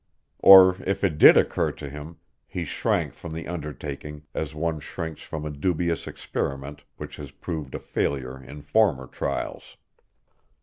Or if it did occur to him he shrank from the undertaking as one shrinks from a dubious experiment which has proved a failure in former trials.